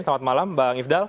selamat malam bang ifdal